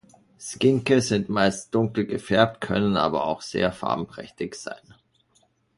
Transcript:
Skinke sind meist dunkel gefärbt, können aber auch sehr farbenprächtig sein.